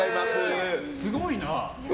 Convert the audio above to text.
すごいな。